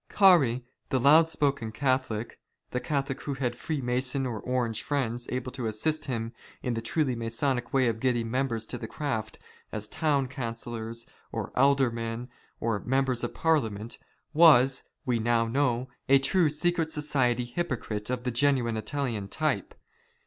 Carey, the loud spoken Catholic — the Catholic who had Freemason or Orange friends able to assist him in the truly Masonic way of getting members of the craft as Town Councillors, or Aldermen, or Members of Parliament — was, We now know, a true secret society hypocrite of the genuine Italian type.